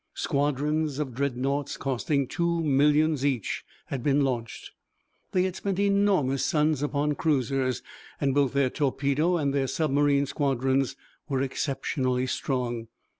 Squadrons of Dreadnoughts costing two millions each had been launched. They had spent enormous sums upon cruisers, and both their torpedo and their submarine squadrons were exceptionally strong.